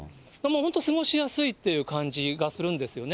本当過ごしやすいという感じがするんですよね。